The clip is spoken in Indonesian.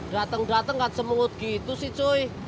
dateng dateng gak cemut gitu sih cuy